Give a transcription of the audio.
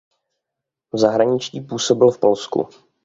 V zahraničí působil v Polsku.